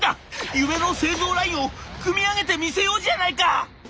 夢の製造ラインを組み上げてみせようじゃないか！」。